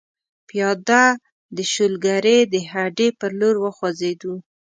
پیاده د شولګرې د هډې پر لور وخوځېدو.